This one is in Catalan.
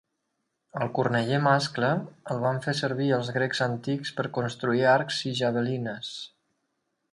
El corneller mascle el van fer servir els grecs antics per construir arcs i javelines.